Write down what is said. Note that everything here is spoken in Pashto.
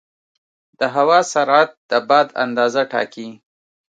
د هوا سرعت د باد اندازه ټاکي.